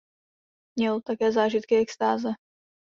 Měl také zážitky extáze.